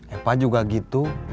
epa juga gitu